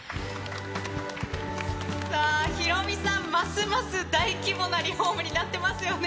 さあ、ヒロミさん、ますます大規模なリフォームになってますよね。